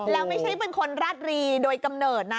แล้วไม่ใช่เป็นคนราดรีโดยกำเนิดนะ